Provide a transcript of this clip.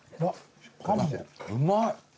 うまい！